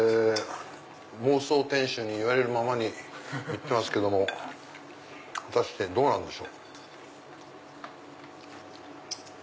妄想店主に言われるままにやってますけども果たしてどうなんでしょう？